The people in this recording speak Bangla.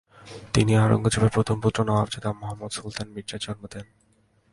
তিনি আওরঙ্গজেবের প্রথম পুত্র নবাবজাদা মুহাম্মদ সুলতান মির্জার জন্ম দেন।